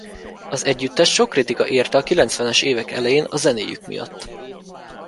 Az együttest sok kritika érte a kilencvenes évek elején a zenéjük miatt.